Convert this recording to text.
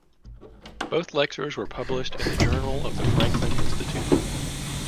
Both lectures were published in "The Journal of the Franklin Institute".